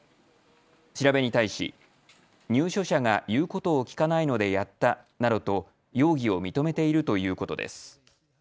調べに対し入所者が言うことを聞かないのでやったなどと容疑を認めているということです。